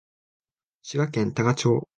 滋賀県多賀町